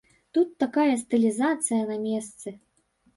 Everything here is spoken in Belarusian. Тут такая стылізацыя на месцы.